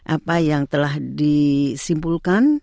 apa yang telah disimpulkan